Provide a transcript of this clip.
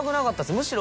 むしろ。